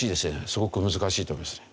すごく難しいと思いますね。